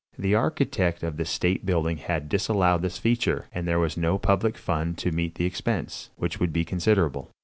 The architect of the state building had disallowed this feature, and there was no public fund to meet the expense, which would be considerable.